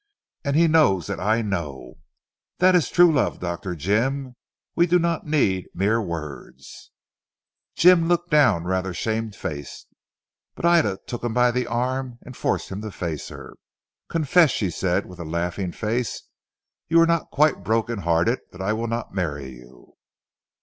And he knows that I know. That is true love Dr. Jim. We do not need mere words." Jim looked down rather shamefaced. Ida took him by the arm and forced him to face her. "Confess," she said with a laughing face, "you are not quite brokenhearted that I will not marry you?"